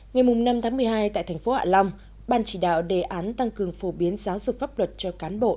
ngày năm một mươi hai tại tp hạ long ban chỉ đạo đề án tăng cường phổ biến giáo dục pháp luật cho cán bộ